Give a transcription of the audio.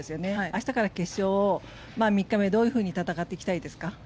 明日から決勝３日目をどういうふうに戦っていきたいですか？